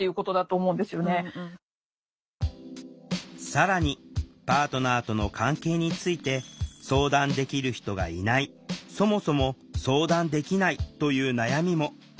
更にパートナーとの関係について相談できる人がいないそもそも相談できないという悩みも。